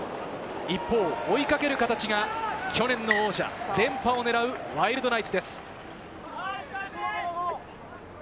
一方、追いかける形が去年の王者、連覇を狙うワイルドナイツです。